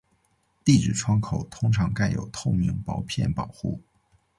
地址窗口通常盖有透明薄片保护。